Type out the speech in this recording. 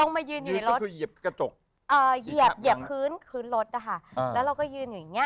ลงมายืนอยู่ในรถอ่าเหยียบพื้นรถนะคะแล้วเราก็ยืนอยู่อย่างนี้